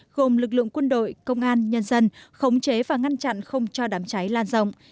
gồm lực lượng quân đội công an nhân dân khống chế và ngăn chặn không cho đám cháy lan rộng